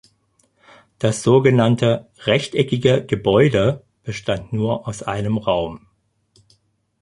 Das sogenannte „rechteckige Gebäude“ bestand nur aus einem Raum.